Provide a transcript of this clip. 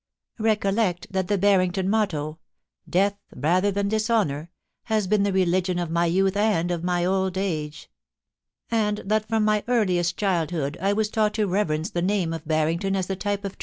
Recollect that the Barrington motto, ' Death rather than dishonour,' has been the religion of my youth and of my old age ; and that from my earliest childhood I was taught to reverence the NEWS BY THE MAIL.